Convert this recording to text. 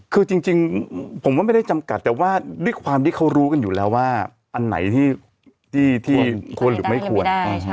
คือจริงผมว่าไม่ได้จำกัดแต่ว่าด้วยความที่เขารู้กันอยู่แล้วว่าอันไหนที่ควรหรือไม่ควร